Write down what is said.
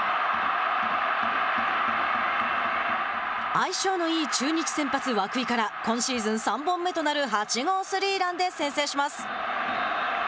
相性のいい中日先発、涌井から今シーズン３本目となる８号スリーランで先制します。